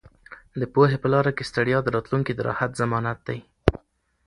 د پوهې په لاره کې ستړیا د راتلونکي د راحت ضمانت دی.